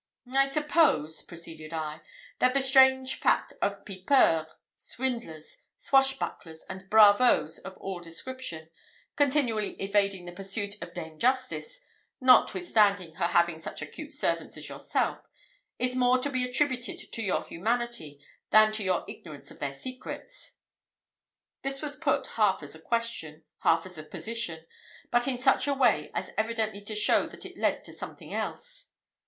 "I suppose," proceeded I, "that the strange fact of pipeurs, swindlers, swash bucklers, and bravoes of all descriptions, continually evading the pursuit of dame Justice, notwithstanding her having such acute servants as yourself, is more to be attributed to your humanity, than to your ignorance of their secrets." This was put half as a question, half as a position, but in such a way as evidently to show that it led to something else.